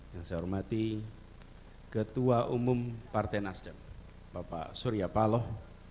yang saya hormati ketua umum partai nasdem bapak surya paloh